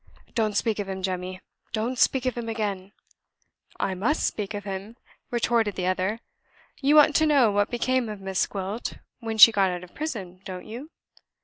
"Don't speak of him, Jemmy don't speak of him again!" "I must speak of him," retorted the other. "You want to know what became of Miss Gwilt when she got out of prison, don't you?